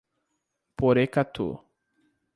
Porecatu